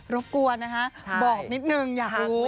รบกวนนะคะบอกนิดหนึ่งอยากรู้